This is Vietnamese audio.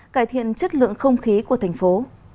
cải thiện chất lượng không khí của thành phố